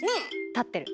立ってる。